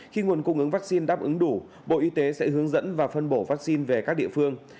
khi nguồn cung ứng vaccine đáp ứng đủ bộ y tế sẽ hướng dẫn và phân bổ vaccine về các địa phương